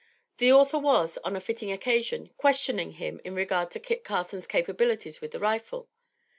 The author was, on a fitting occasion, questioning him in regard to Kit Carson's capabilities with the rifle.